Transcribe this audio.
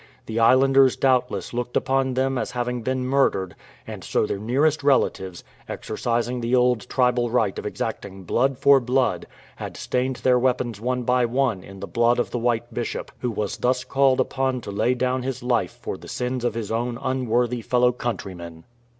The islanders doubtless looked upon them as having been murdered, and so their nearest relatives, exercising the old tribal right of exacting " blood for blood,*" had stained their weapons one by one in the blood of the white Bishop, who was thus called upon to lay down his life for the sins of his own unworthy fellow countrymen.